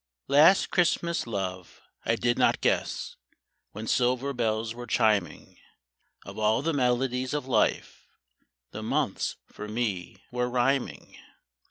AST Christmas, love, I did not guess, When silver bells were chiming, Of all the melodies of life . The months for me were rhyming.